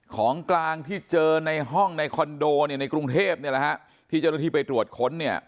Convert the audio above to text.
ของกลางที่เจอในห้องในคอนโดในกรุงเทพฯที่เจ้าหน้าที่ไปตรวจค้น